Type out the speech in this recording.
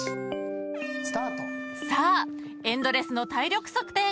［さあエンドレスの体力測定がスタート］